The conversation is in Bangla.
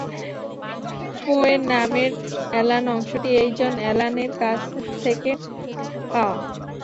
পো-এর নামের অ্যালান অংশটি এই জন অ্যালান-এর কাছ থেকে পাওয়া।